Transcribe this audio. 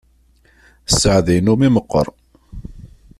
Sseɛd-inu mmi meqqer.